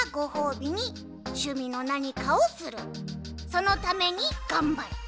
そのためにがんばる。